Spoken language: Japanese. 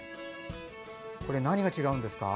何が違うんですか？